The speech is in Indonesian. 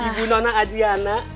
ibu nona adiana